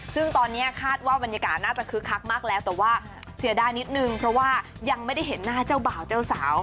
ซึ่งตอนนี้คาดว่าบรรยากาศน่าจะคึกคักมากแล้วแต่ว่าเสียดายนิดนึงเพราะว่ายังไม่ได้เห็นหน้าเจ้าบ่าวเจ้าสาว